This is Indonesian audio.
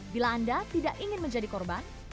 bila anda tidak ingin menjadi korban